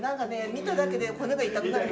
見ただけで骨が痛くなる。